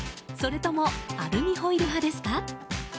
それともアルミホイル派ですか？